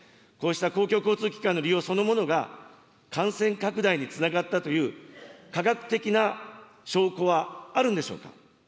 こうした公共交通機関の利用そのものが、感染拡大につながったという、科学的な証拠はあるんでしょうか。